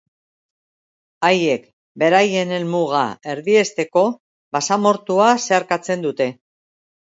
Haiek beraien helmuga erdiesteko basamortua zeharkatzen dute.